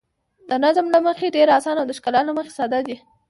د نظم له مخې ډېر اسانه او د ښکلا له مخې ساده دي.